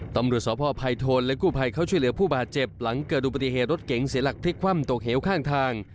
ตำรวจสพภัยโทนและกู้ภัยเขาช่วยเหลือผู้บาดเจ็บหลังเกิดอุบัติเหตุรถเก๋งเสียหลักพลิกคว่ำตกเหวข้างทาง